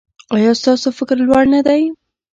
ایا ستاسو فکر لوړ نه دی؟